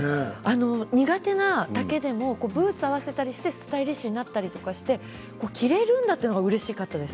苦手な丈でもブーツを合わせたりしてスタイリッシュになったりして着られるんだというのがうれしかったです。